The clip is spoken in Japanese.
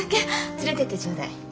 連れていってちょうだい。